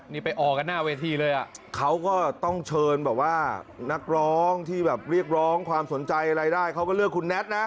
นี่ไปออกกันหน้าเวทีเลยอ่ะเขาก็ต้องเชิญแบบว่านักร้องที่แบบเรียกร้องความสนใจอะไรได้เขาก็เลือกคุณแท็ตนะ